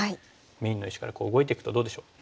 メインの石から動いていくとどうでしょう？